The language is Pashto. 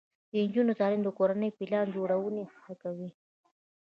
د نجونو تعلیم د کورنۍ پلان جوړونې ښه کوي.